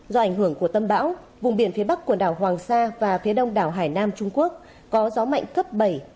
do ảnh hưởng của tâm bão vùng biển phía bắc quần đảo hoàng sa và phía đông đảo hải nam trung quốc có gió mạnh cấp bảy